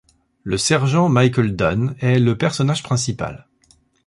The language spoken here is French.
Le sergent Michael Dunne est le personnage principal.